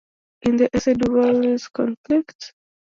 In the essay Do Values Conflict?